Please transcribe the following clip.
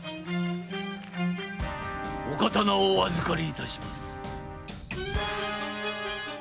お刀をお預かりいたします。